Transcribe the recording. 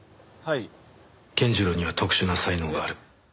健次郎には特殊な才能がある。